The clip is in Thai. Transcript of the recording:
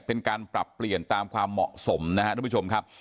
เป็นการปรับเปลี่ยนตามความเหมาะสมนะครับทุกผู้ชมครับ